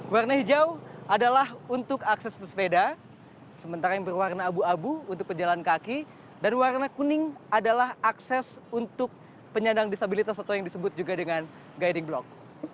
warna hijau adalah untuk akses pesepeda sementara yang berwarna abu abu untuk pejalan kaki dan warna kuning adalah akses untuk penyandang disabilitas atau yang disebut juga dengan guiding block